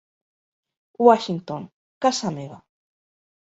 Washington, casa meva.